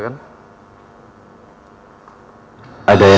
ada yang mau ditanyakan